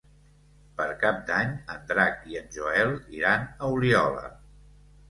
Per Cap d'Any en Drac i en Joel iran a Oliola.